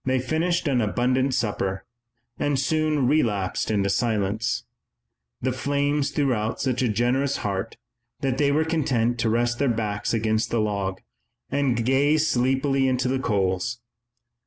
They finished an abundant supper, and soon relapsed into silence. The flames threw out such a generous heat that they were content to rest their backs against the log, and gaze sleepily into the coals.